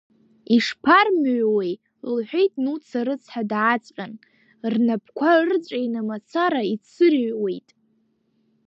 Ишԥармыҩуеи, — лҳәеит Нуца рыцҳа дааҵҟьан, рнапқәа ырҵәины мацара идсырҩуеит.